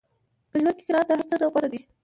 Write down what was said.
په ژوند کې قناعت د هر څه نه غوره دی.